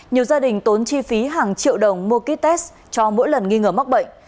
nhiều gia đình tốn chi phí hàng triệu đồng mua ký test cho mỗi lần nghi ngờ mắc bệnh